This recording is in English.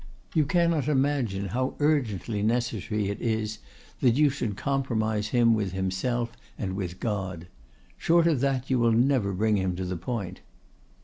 You cannot imagine how urgently necessary it is that you should compromise him with himself and with God; short of that you will never bring him to the point.